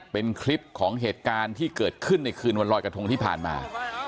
เป็นคลิปของเหตุการณ์ที่เกิดขึ้นในคืนวันรอยกระทงที่ผ่านมา